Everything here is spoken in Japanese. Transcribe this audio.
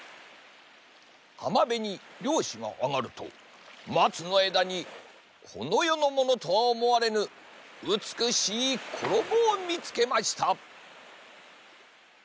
はまべにりょうしがあがるとまつのえだにこのよのものとはおもわれぬうつくしいころもをみつけました。